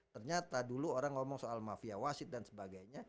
ternyata dulu orang ngomong soal mafia wasit dan sebagainya